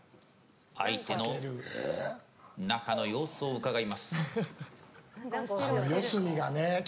相手の中の様子をうかがいます。